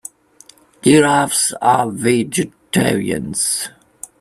Giraffes are vegetarians.